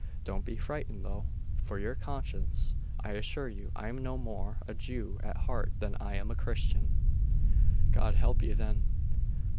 Don't be frightened, though, for your conscience; I assure you I am no more a Jew at heart than I am a Christian.' 'God help you then!